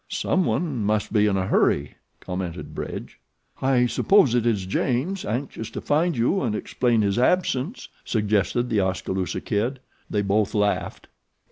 "Someone must be in a hurry," commented Bridge. "I suppose it is James, anxious to find you and explain his absence," suggested The Oskaloosa Kid. They both laughed.